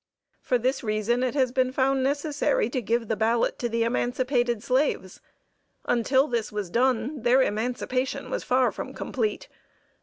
For this reason it has been found necessary to give the ballot to the emancipated slaves. Until this was done their emancipation was far from complete.